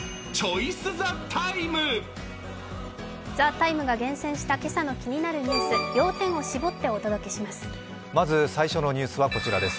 「ＴＨＥＴＩＭＥ，」が厳選した今朝の気になるニュース、要点を絞ってお届けします。